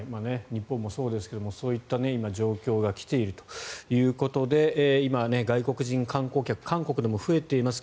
日本もそうですけれどそういった状況が来ているということで今、外国人観光客韓国でも増えています。